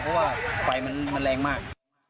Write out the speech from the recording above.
เพราะว่าไฟมันแรงมาก